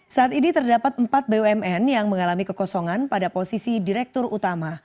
saat ini terdapat empat bumn yang mengalami kekosongan pada posisi direktur utama